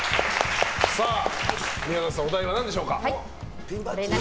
宮里さん、お題は何でしょうか？